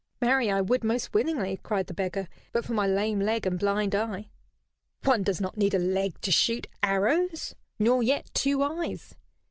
"Marry, I would most willingly," cried the beggar, "but for my lame leg and blind eye." "One does not need a leg to shoot arrows, nor yet two eyes.